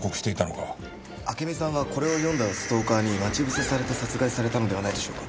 暁美さんはこれを読んだストーカーに待ち伏せされて殺害されたのではないでしょうか？